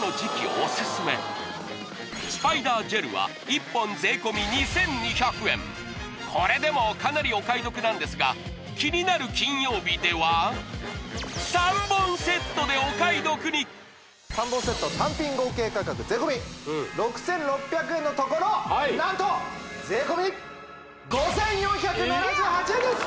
オススメスパイダージェルは１本これでもかなりお買い得なんですが「キニナル金曜日」では３本セットでお買い得に３本セット単品合計価格税込６６００円のところはい何と税込５４７８円です！